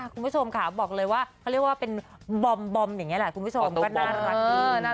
คุณผู้ชมค่ะบอกเลยว่าเขาเรียกว่าเป็นบอมอย่างนี้แหละคุณผู้ชมก็น่ารักดี